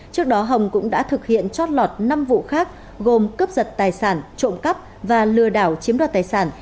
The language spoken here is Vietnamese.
trước đó hồng cũng đã thực hiện trót lọt năm vụ khác gồm cướp giật tài sản trộm cắp và lừa đảo chiếm đoạt tài sản